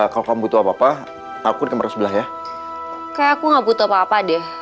kalau kamu butuh apa apa aku kemarin sebelah ya kayak aku nggak butuh apa apa deh